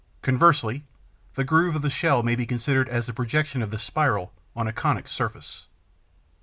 Conversely, the groove of the shell may be considered as the projection of this spiral on a conic surface.